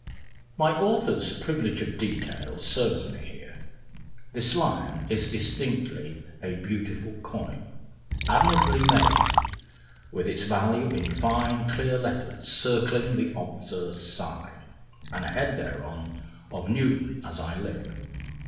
My author's privilege of details serves me here. This Lion is distinctly a beautiful coin, admirably made, with its value in fine, clear letters circling the obverse side, and a head thereon of Newton, as I live!